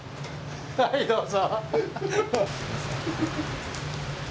はい、どうぞ。